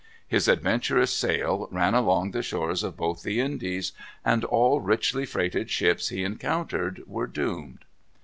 His adventurous sail ran along the shores of both the Indies, and all richly freighted ships he encountered were doomed.